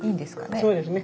そうですね。